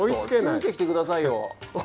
ついてきてくださいよ。